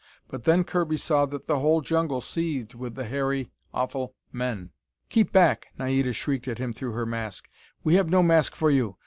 But then Kirby saw that the whole jungle seethed with the hairy, awful men. "Keep back!" Naida shrieked at him through her mask. "We have no mask for you.